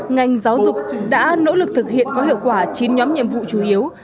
ngành giáo dục đã nỗ lực thực hiện có hiệu quả chín nhóm nhiệm vụ chủ yếu